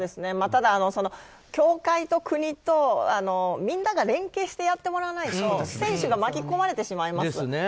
ただ、協会と国とみんなが連携してやってもらわないと選手が巻き込まれてしまいます。